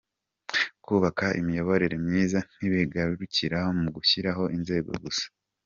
Kubaka imiyoborere myiza ntibigarukira mu gushyiraho inzego gusa.